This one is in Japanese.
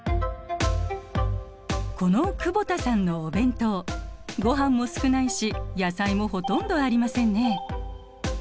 この久保田さんのお弁当ごはんも少ないし野菜もほとんどありませんね。